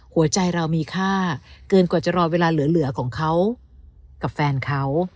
หัวใจเรามีค่าเกินกว่าจะรอเวลาเหลือของเขากับแฟนเขา